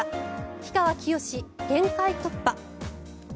氷川きよし、限界突破。